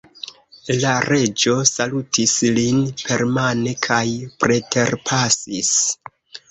La Reĝo salutis lin permane kaj preterpasis.